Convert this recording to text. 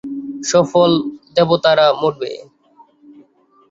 সকল দেবতারা মরবে।